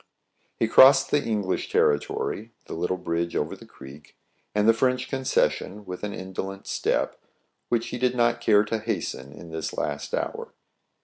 He crossed the English territory, the little bridge over the creek, and the French concession, with an indolent step, which he did not care to hasten in this last hour.